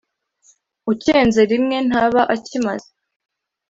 Ucyenze rimwe ntaba akimaze.